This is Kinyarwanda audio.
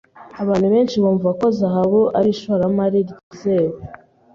Abantu benshi bumva ko zahabu ari ishoramari ryizewe.